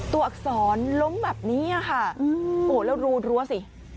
อักษรล้มแบบนี้ค่ะโอ้แล้วรูรั้วสิ